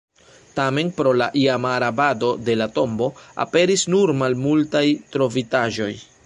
Tamen, pro la iama rabado de la tombo, aperis nur malmultaj trovitaĵoj.